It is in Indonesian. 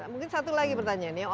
mungkin satu lagi pertanyaan nih